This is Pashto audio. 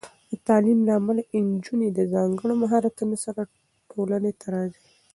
د تعلیم له امله، نجونې د ځانګړو مهارتونو سره ټولنې ته راځي.